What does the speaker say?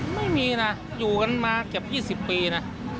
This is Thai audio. ไม่มีนะอยู่กันมาเกือบ๒๐ปีนะ